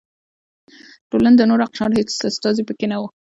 ټولنې د نورو اقشارو هېڅ استازي پکې نه و.